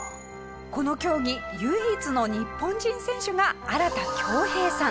この競技唯一の日本人選手が荒田恭兵さん。